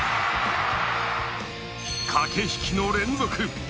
駆け引きの連続。